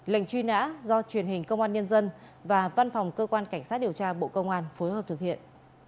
lệnh truy nã do truyền hình công an nhân dân và văn phòng cơ quan cảnh sát điều tra bộ công an phối hợp thực hiện